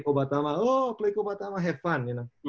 ko batama oh play ko batama have fun you know